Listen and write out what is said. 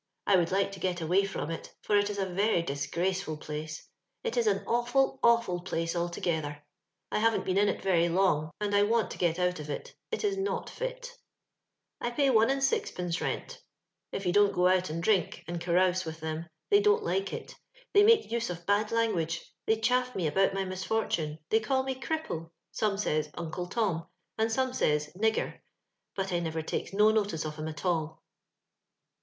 I would like to get away from it, for it is a very disgraceful place, — ^it is an awfiil, awful place altogether. I haven't been in it very long, and I want to get out of it ; it is not fit " I pay one and sixpence rent If you don't go out and drink and carouse with them, they don't like it ; they make use of bad language — they chaflf me about my misfortune — they caU me 'Cripple;' some says 'Uncle Tom,' and some says 'Nigger;' but I never takes no notice of 'em at all.